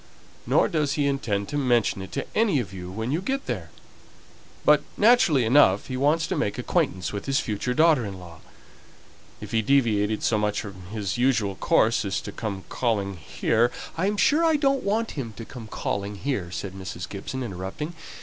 Nor does he intend to mention it to any of you when you go there; but, naturally enough, he wants to make acquaintance with his future daughter in law. If he deviated so much from his usual course as to come calling here " "I am sure I don't want him to come calling here," said Mrs. Gibson, interrupting.